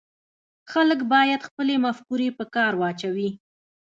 خلک باید خپلې مفکورې په کار واچوي